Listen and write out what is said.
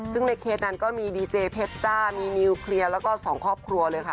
ซึ่งในเคสนั้นก็มีดีเจเพชรจ้ามีนิวเคลียร์แล้วก็สองครอบครัวเลยค่ะ